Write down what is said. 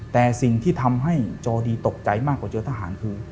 แต่สิ่งที่ทำให้จอดีตกใจมากกว่าเจอทหารคือ